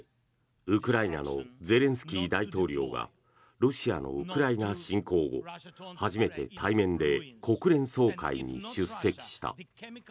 ウクライナのゼレンスキー大統領がロシアのウクライナ侵攻後初めて対面で国連総会に出席した。